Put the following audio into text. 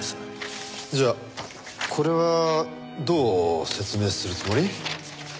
じゃあこれはどう説明するつもり？